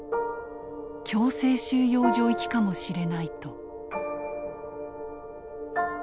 強制収容所行きかもしれないと」。